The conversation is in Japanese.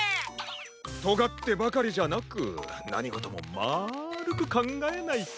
とがってばかりじゃなくなにごともまるくかんがえないと。